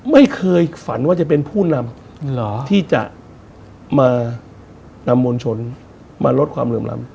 ไม่เคยฝันว่าจะเป็นผู้นำที่จะมานำมวลชนมาลดความเหลื่อมล้ำ